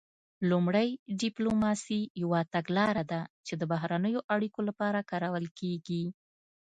لومړی ډیپلوماسي یوه تګلاره ده چې د بهرنیو اړیکو لپاره کارول کیږي